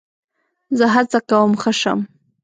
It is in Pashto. زه هڅه کوم ښه شم.